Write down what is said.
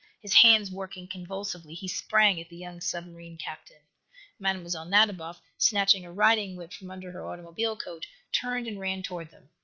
His hands working convulsively, he sprang at the young submarine captain. Mlle. Nadiboff, snatching a riding whip from under her automobile coat, turned and ran toward them.